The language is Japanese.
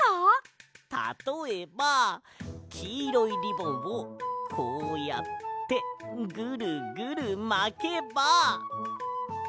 たとえばきいろいリボンをこうやってグルグルまけば。